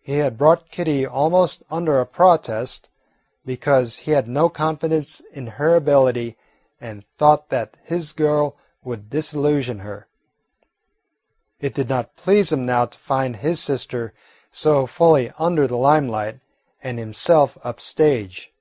He had brought Kitty almost under a protest, because he had no confidence in her ability and thought that his "girl" would disillusion her. It did not please him now to find his sister so fully under the limelight and himself "up stage."